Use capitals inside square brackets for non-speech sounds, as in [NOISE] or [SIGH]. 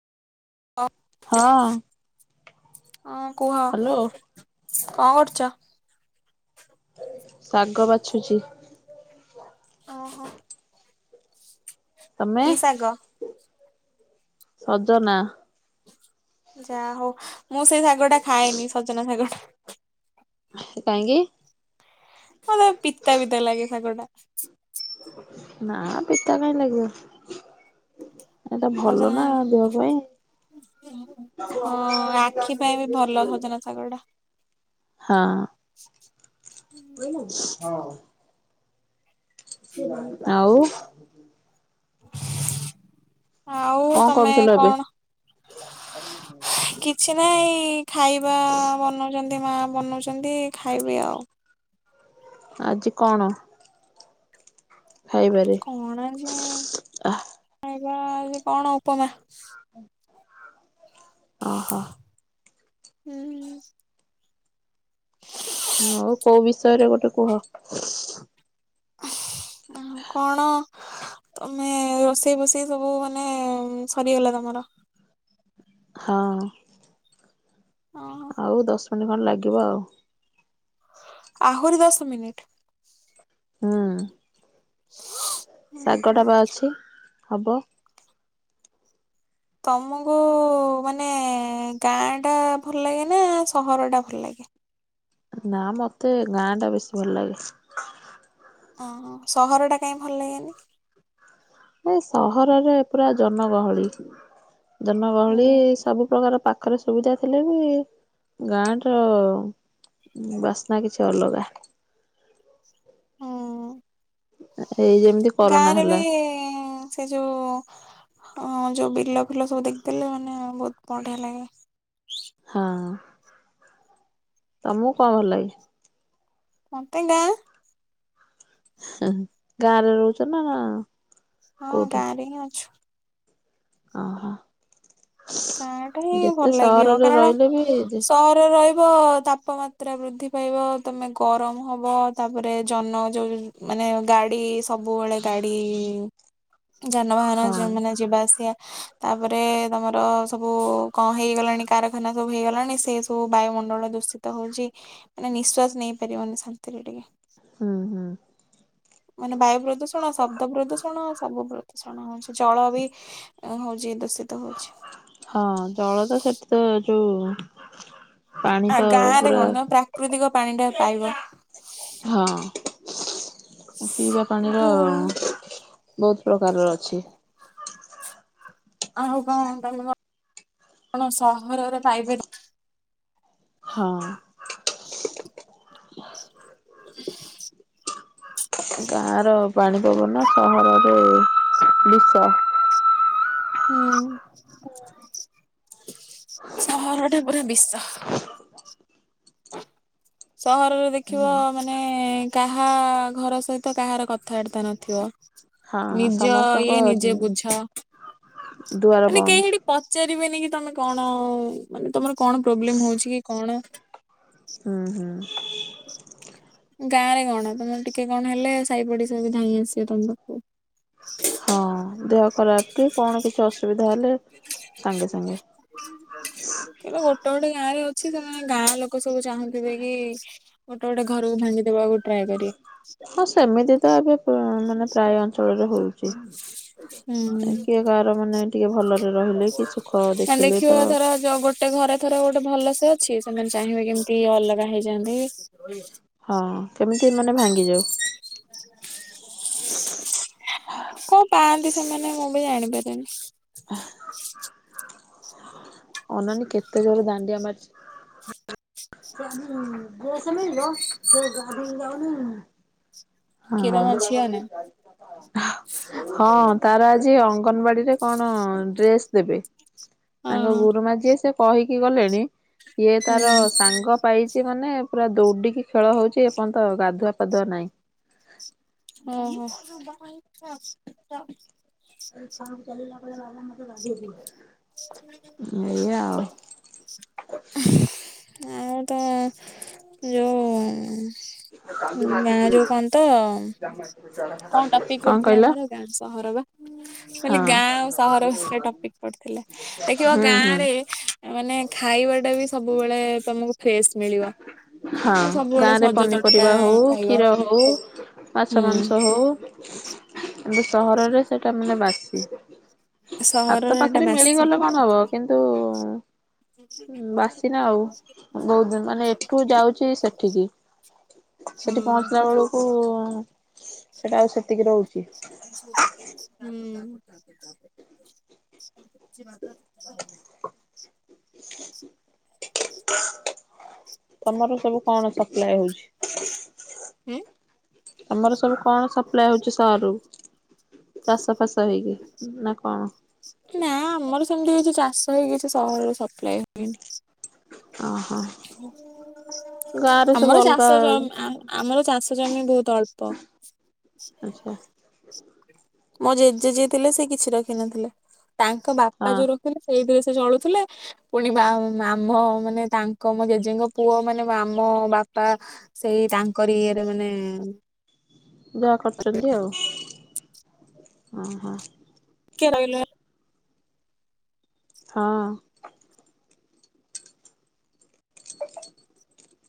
ହଁ। ହଁ କୁହ ହ୍ୟାଲୋ କଣ କରୁଛ? ଶାଗ ବାଛୁଛି। ଓହୋ। ତମେ କି ଶାଗ? ସଜନା। ଯା ହଉ ମୁଁ ସେଇ ଶାଗ ଟା ଖାଏନି ସଜନା ଶାଗ ଟା। କାହିଁକି? ମୋତେ ପିତା ପିତା ଲାଗେ ଶାଗ ଟା। ନା ପିତା କାଇଁ ଲାଗିବ। ଏଟା ଭଲ ସଜନା ନା ଦେହ ପାଇଁ। ହଁ ଆଖି ପାଇଁ ବି ଭଲ ସଜନା ଶାଗ ଟା। [UNINTELLIGIBLE] ହଁ। ହଁ। ଆଉ? ଆଉ କଣ ତମେ କରୁଥିଲ ଏବେ କଣ କିଛି ନାଇ ଖାଇବା ବନାଉଛନ୍ତି ମା ବନାଉଛନ୍ତି ଖାଇବି ଆଉ। ଆଜି କଣ? ଖାଇବାରେ। କଣ ଯେ ଖଇବା? ଆଜି କଣ ଉପମା। ଓହୋ। ହୁଁ। ହଁ କୋଉ ବିଷୟରେ ଗୋଟେ କୁହ। [INAUDIBLE] ଆଉ କଣ ତମେ ରୋଷେଇ ବୋଷେଇ ସବୁ ମାନେ ସରିଗଲା ତମର? ହଁ। ଅଁ, ହଁ। ହଉ ଦଶ ମିନିଟ୍ ଖଣ୍ଡେ ଲାଗିବ ଆଉ। ଆହୁରି ଦଶ ମିନିଟ୍? ହୁଁ। [INAUDIBLE] ଶାଗ ଟା ପା ଅଛି ହବ। ତମକୁ ମାନେ ଗାଁ ଟା ଭଲ ଲାଗେ ନା ସହର ଟା ଭଲ ଲାଗେ? ନା ମତେ ଗାଁ ଟା ବେଶୀ ଭଲ ଲାଗେ। ଅଁ ହଁ ସହରଟା କାଇଁ ଭଲ ଲାଗେନି? ନାଇଁ ସହରରେ ପୁରା ଜନଗହଳି। ଜନଗହଳି ହୁଁ ସବୁ ପ୍ରକାର ପା ଖରେ ସୁବିଧା ଥିଲେ ବି ଗାଁ ର ଉଁ ବାସ୍ନା କିଛି ଅଲଗା। ହୁଁ ଏଇ ଯେମିତି କରୋନା ଗାଁରେ ବି ହେଲା। ସେ ଯୋଉ ହଁ ଯୋଉ ବିଲ ଫିଲ ସବୁ ଦେଖିଦେଲେ ମାନେ ବହୁତ ବଢିଆ ଲାଗେ। ହଁ ତମକୁ କଣ ଭଲ ଲାଗେ? ମତେ ଗାଁ। ଗାଁରେ ରହୁଛ ନା। ହଁ କୋଉଠି? ଗାଁରେ ହିଁ ଅଛୁ। ଅ ହ। ଗାଁଟା ହିଁ ଭଲ ଲାଗିବ। ସହରରେ କାରଣ ରହିଲେ ବି ସହରରେ ରହି ବ ତାପମାତ୍ରା ବୃଦ୍ଧି ପାଇବ ତମେ ଗରମ ହବ। ତାପରେ ଜନ ଯୋଉ ମାନେ ଗାଡି ସବୁବେଳେ ଗାଡି ଯାନବାହାନ ହଁ ଯେଉଁ ମାନେ ଯିବା ଆସିବା। ତାପରେ ତମର ସବୁ କଣ ହେଇଗଲାଣି କାରଖାନା ସବୁ ହେଇଗଲାଣି ସେ ସବୁ ବାୟୁମଣ୍ଡଳ ଦୂଷିତ ହଉଚି। ମାନେ ନିଃଶ୍ୱାସ ନେଇ ପାରିବନି ଶାନ୍ତିରେ ଟିକେ। ହୁଁ ହୁଁ। ମାନେ ବାୟୁ ପ୍ରଦୂଷଣ, ଶବ୍ଦ ପ୍ରଦୂଷଣ, ସବୁ ପ୍ରଦୂଷଣ ହଉଛି। ଜଳ ବି ଏଁ ହଉଛି ଦୂଷିତ ହଉଛି। ହଁ ଜଳ ତ ସେଠିତ ଯୋଉ ପାଣି ଆ ତ ଗାଁ ରେ ପୁରା କଣ ତମ ପ୍ରାକୃତିକ ପାଣି ଟା ପାଇବ। ହଁ ପିଇବା ପାଣିର କିନ୍ତୁ ବହୁତ ପ୍ରକାରର ଅଛି। ଆଉ କଣ ତମେ କ କଣ ସହରରେ ପାଇପାରିବ? ହଁ। [INAUDIBLE] ଗାଁର ପାଣି ପବନ ସହରରେ ବିଷ। ହୁଁ ସହର ଟା ପୁରା ବିଷ। [INAUDIBLE] ସହରରେ ଦେଖିବ ମାନେ କାହା ଘର ସହିତ କାହାର କଥାବାର୍ତ୍ତା ନଥିବ। ହଁ ନିଜ ସମସ୍ତଙ୍କ ଇଏ ନିଜେ ବୁଝ। ଦୁଆର ମାନେ ବନ୍ଦ କେହି ହେଟି ପଚାରିବେନି କି ତମେ କଣ ମାନେ ତମର କଣ ପ୍ରୋବ୍ଲେମ ହଉଛି କି କଣ? ହୁଁ ହୁଁ। ଗାଁ ରେ କଣ ତମର ଟିକେ କଣ ହେଲେ ସାଇ ପଡିଶା ବି ଧାଇଁ ଆସିବେ ତମ ପାଖକୁ। ହଁ ଦେହ ଖରାପ କି? କଣ କିଛି ଅସୁବିଧା ହେଲେ ସାଙ୍ଗେ ସାଙ୍ଗେ। କେବେ ଗୋଟେ ଗୋଟେ ଗାଁରେ ଅଛି ସେମାନେ ଗାଁ ଲୋକ ସବୁ ଚାହୁଁଥିବେ କି ଗୋଟେ ଗୋଟେ ଘରକୁ ଭାଙ୍ଗିଦବାକୁ ଟ୍ରାଏ କରିବେ। ହଁ ସେମିତି ତ ଏବେ ପ ଅ ମାନେ ପ୍ରାୟ। ଚଳରେ ହଉଛି ହୁଁ କିଏ ଗାଁରେ ମାନେ ଟିକେ ଭଲରେ ରହିଲେ କି ସୁଖ ଏ ଦେଖିଲେ ଦେଖିବ ତ ଧର ଗୋଟେ ଘରେ ଥର ଗୋଟେ ଭଲସେ ଅଛି। ସେମାନେ ଚାହିଁବେ କେମିତି ଅଲଗା ହେଇଯାଆନ୍ତି। ହଁ କେମିତି ମାନେ ଭାଙ୍ଗି ଯାଉ। [INAUDIBLE] କଅଁ ପାଆନ୍ତି ସେମାନେ ମୁଁ ବି ଜାଣିପାରେନି। ହ [UNINTELLIGIBLE] ଅନାନି କେତେ ଜୋର ଦାଣ୍ଡିଆ ମାରିଚି। ଡ୍ରେସ୍ ମିଳିବ ଗାଧେଇକି ଯାଉ ନି। ହଁ। ହ [UNINTELLIGIBLE] ହଁ ତାର ଆଜି ଅଙ୍ଗନବାଡି ରେ କଣ ଡ୍ରେସ ଦେବେ। ହଁ ତାଙ୍କ ଗୁରୁମା ଯିଏ ସେ କହିକି ଗଲେଣି ଇଏ ତାର ସାଙ୍ଗ ପାଇଛି ମାନେ ପୁରା ଦୌଡ଼ିକି ଖେଳ ହଉଛି ଏପର୍ଯ୍ୟନ୍ତ ଗାଧୁଆ ପାଧୁଆ ନାହିଁ। ଓ ହୋ। ଏଇଆ ଆଉ। ଆଉ ତ ଯୋଉ ଗାଁ ଯୋଉ କହ ତ କଅଁଟପିକ କଣ ପଡିଥିଲା କହିଲ ଆମର। ଗାଁ ସହର ବା କ ହଁ ଗାଁ ଆଉ ସହର ଟପିକ ପଡିିଥିଲା। ଦେଖିବ ହୁଁ ଗାଁ ହୁଁ ରେ ମାନେ ଖାଇବା ଟା ସବୁବେଳେ ତମକୁ ଫ୍ରେଶ ମିଳିବ। ହଁ ମାନେ ଗାଁ ସବୁବେଳେ ରେ, ସଜ ତଟକା ପନିପରିବା, ହଉ, ଖାଇବ କ୍ଷୀର, ହଉ, ମାଛ, ହୁଁ ମାଂସ ହଉ କିନ୍ତୁ ସହରରେ ସେଟା ମାନେ ବାସି। ହାତ ସହରରେ ଏଟା ପାଖରେ ବାସି ମିଳିଗଲେ କଣ ହବ କିନ୍ତୁ ବାସି ନା ଆଉ ବହୁତ ମାନେ ଏଠୁ ଯାଉଛି ସେଠିକି ହଁ ସେଠି ପହଞ୍ଚିଲା ବେଳକୁ ସେଟା ଆଉ ସେତିକି ରହୁଛି। ହୁଁ। ଆ [UNINTELLIGIBLE] ତମର ସବୁ କଣ ସପ୍ଲାଏ ହଉଛି। ହୁଁ। ଆମର ସବୁ କଣ ସପ୍ଲା ହଉଛି ସହରୁ? ଚାଷ ଫାସ ହେଇକି ନା କଣ? ନା ଆମର ସେମିତି କିଛି ଚାଷ ହେଇକିଛି ସହରରେ ସପ୍ଲାଇ ଓହୋ ଦୁଏନି। ଗାଁରେ ସବୁ ଆମର ଅଲଗା ଚାଷ ଜ ଆମର ଚାଷ ଜମି ବହୁତ ଅଳ୍ପ। ଆଚ୍ଛା। ମୋ ଜେଜେ ଯିଏଥିଲେ ସେ କିଛି ରଖିିନଥିଲେ ତାଙ୍କ ବାପା ଯୋଉ ହଁ ରଖିଥିଲେ ସେଇଥିରେ ସେ ଚଳୁଥିଲେ। ପୁଣି ମମ ମାନେ ତାଙ୍କ ମୋ ଜେଜେଙ୍କ ପୁଅ ମାନେ ମାମ ବାପା ସେଇ ତାଙ୍କରି ଇଏରେ ମାନେ ଯାହା କରୁଛନ୍ତି ଆଉ ଓହୋ। କେ ଭଇଲା। ହଁ।